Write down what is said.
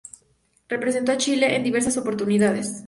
Representó a Chile, en diversas oportunidades.